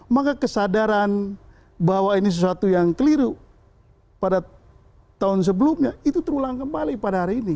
maka kesadaran bahwa ini sesuatu yang keliru pada tahun sebelumnya itu terulang kembali pada hari ini